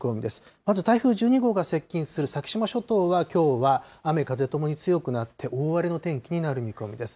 まず台風１２号が接近する先島諸島はきょうは、雨風ともに強くなって、大荒れの天気になる見込みです。